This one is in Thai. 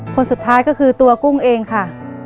คนสุดท้ายก็คือตัวกุ้งเองค่ะ